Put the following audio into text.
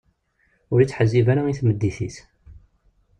Ur ittḥezzib ara i tmeddit-is.